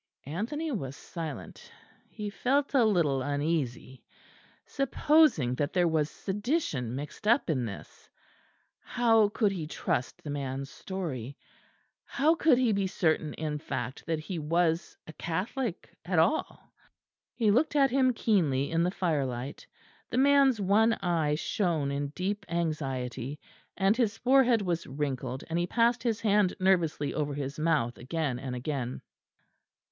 Anthony was silent. He felt a little uneasy. Supposing that there was sedition mixed up in this! How could he trust the man's story? How could he be certain in fact that he was a Catholic at all? He looked at him keenly in the fire light. The man's one eye shone in deep anxiety, and his forehead was wrinkled; and he passed his hand nervously over his mouth again and again.